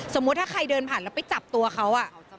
ถ้าใครเดินผ่านแล้วไปจับตัวเขา